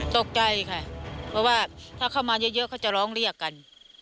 ตกใจค่ะเพราะว่าถ้าเข้ามาเยอะเขาจะร้องเรียกกัน